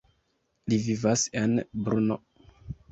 Li vivas en Brno.